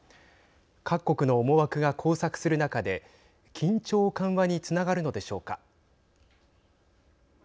各国の思惑が交錯する中で緊張緩和につながるのでしょうか。